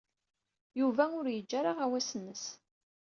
Yuba ur yeǧǧi ara aɣawas-nnes.